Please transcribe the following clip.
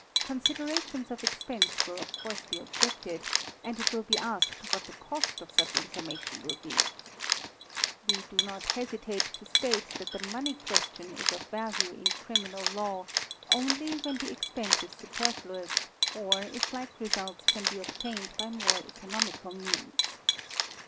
Considerations of expense will of course be objected and it will be asked what the cost of such informa tion will be. We do not hesitate to state that the money question is of 192 THE MICROSCOPIST value in criminal law only when the expense is superflous or if like results can be obtained by more economical means.